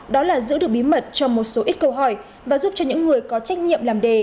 đó là giữ được bí mật cho một số ít câu hỏi và giúp cho những người có trách nhiệm làm đề